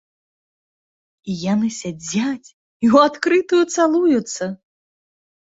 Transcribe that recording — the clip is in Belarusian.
І яны сядзяць і ў адкрытую цалуюцца!